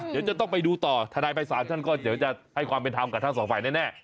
เดี๋ยวจะต้องไปดูต่อถ้าได้ไปสารฉันก็จะให้ความเป็นธรรมกับทั้งสองฝ่ายแน่